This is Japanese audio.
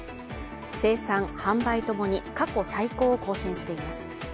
生産、販売ともに過去最高を更新しています。